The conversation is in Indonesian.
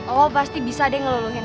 oh pasti bisa deh ngeluluhin